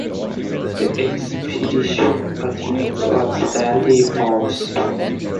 The expedition continued on to Stanley Falls.